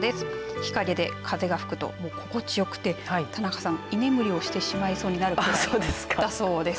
日陰で風が吹くと心地よくて田中さん、居眠りをしてしまいそうになるんだそうです。